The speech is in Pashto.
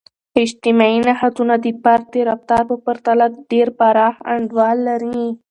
اجتماعي نهادونه د فرد د رفتار په پرتله ډیر پراخ انډول لري.